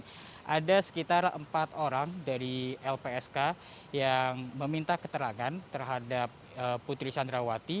saat hari selasa tanggal sembilan agustus kemarin ada sekitar empat orang dari lpsk yang meminta keterangan terhadap putri candrawati